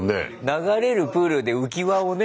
流れるプールで浮き輪をね